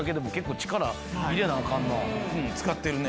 うん使ってるね。